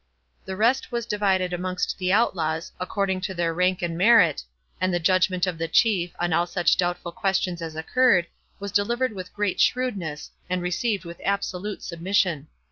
The rest was divided amongst the outlaws, according to their rank and merit, and the judgment of the Chief, on all such doubtful questions as occurred, was delivered with great shrewdness, and received with absolute submission.